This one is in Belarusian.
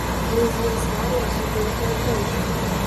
Мы з ім сварыліся толькі аднойчы.